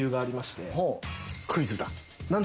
クイズだ。